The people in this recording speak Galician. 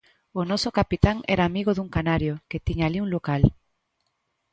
O noso capitán era amigo dun canario que tiña alí un local.